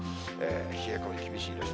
冷え込み厳しいです。